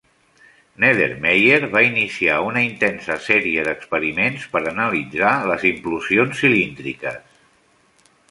Neddermeyer va iniciar una intensa sèrie d'experiments per analitzar les implosions cilíndriques.